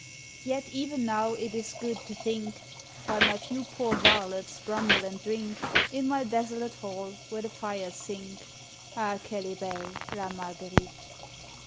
_ Yet even now it is good to think, While my few poor varlets grumble and drink In my desolate hall, where the fires sink, _Ah! qu'elle est belle La Marguerite.